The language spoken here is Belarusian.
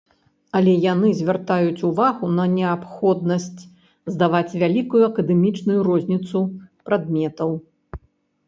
Але яны звяртаюць увагу на неабходнасць здаваць вялікую акадэмічную розніцу прадметаў.